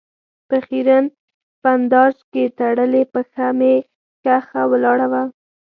په خېرن بنداژ کې تړلې پښه مې ښخه ولاړه وه.